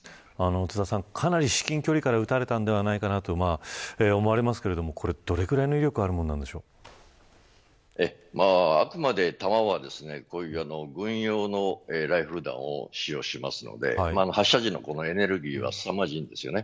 津田さん、かなり至近距離から撃たれたのではないかと思われますけれどもこれ、どれくらいの威力があくまで弾は軍用のライフル弾を使用しますので発射時のエネルギーはすさまじいです。